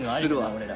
俺ら。